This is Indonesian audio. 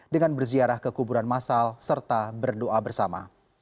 dengan berziarah ke kuburan masal serta berdoa bersama